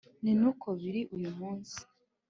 Ni nuko biri n uyu munsi